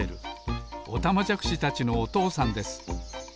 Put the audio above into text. おたまじゃくしたちのおとうさんです。